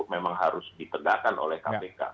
memang harus ditegakkan oleh kpk